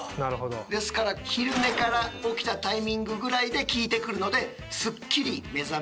ですから昼寝から起きたタイミングぐらいで効いてくるのでスッキリ目覚められるそうです。